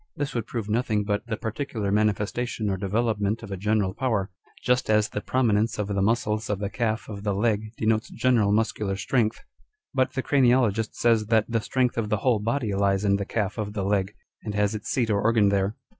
This would prove nothing but the particular manifestation or development of a general power ; just as the prominence of the muscles of the calf of the leg denotes general muscular strength. But the craniologist says that the strength of the whole body lies in the calf of the leg, and has its seat or organ there.